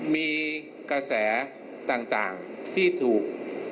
มีกระแสต่างที่ถูก